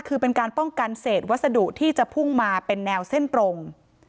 คือเป็นการป้องกันเศษวัสดุที่จะพุ่งมาเป็นแนวเส้นตรง